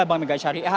bank mega sari a